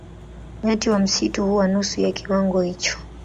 Nyati wa msitu huwa nusu ya kiwango hicho.